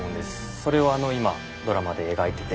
それをあの今ドラマで描いてて。